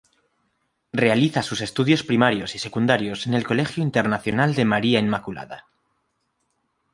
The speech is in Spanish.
Realiza sus estudios primarios y secundarios en el Colegio Internacional de María Inmaculada.